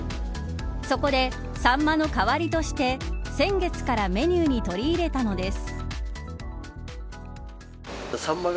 そこでサンマの代わりとして先月からメニューに取り入れたのです。